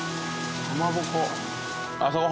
かまぼこ。